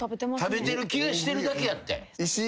食べてる気がしてるだけやって。